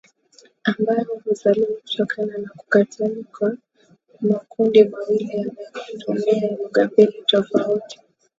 ambayo huzaliwa kutokana na kukutanika kwa makundi mawili yanayotumia lugha mbili tofauti